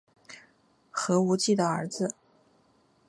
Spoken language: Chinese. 何无忌的儿子。